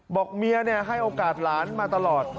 บอกเมียให้โอกาสหลานมาตลอด